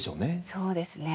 そうですね。